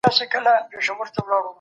که استاد په تخته لیکل کوي.